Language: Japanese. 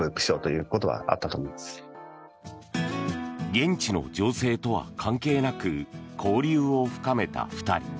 現地の情勢とは関係なく交流を深めた２人。